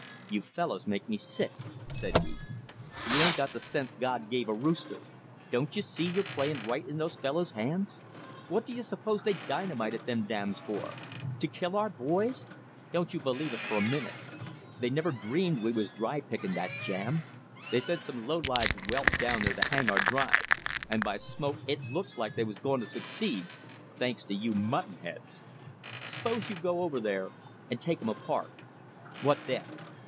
"You fellows make me sick," said he. "You haven't got the sense God gave a rooster. Don't you see you're playing right in those fellows' hands? What do you suppose they dynamited them dams for? To kill our boys? Don't you believe it for a minute. They never dreamed we was dry pickin' that jam. They sent some low lived whelp down there to hang our drive, and by smoke it looks like they was going to succeed, thanks to you mutton heads. "'Spose you go over and take 'em apart; what then?